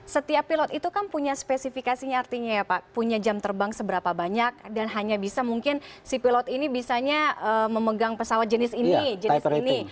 setiap pilot itu kan punya spesifikasinya artinya ya pak punya jam terbang seberapa banyak dan hanya bisa mungkin si pilot ini bisanya memegang pesawat jenis ini jenis ini